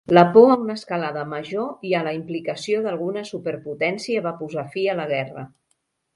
La por a una escalada major i a la implicació d'alguna superpotència va posar fi a la guerra.